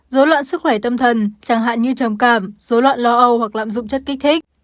dối loạn sức khỏe tâm thần chẳng hạn như trầm cảm dối loạn lo âu hoặc lạm dụng chất kích thích